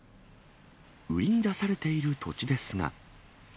売りに出されている土地ですが。